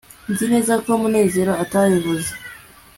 nzi neza ko munezero atabivuze